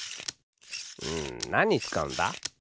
うんなににつかうんだ？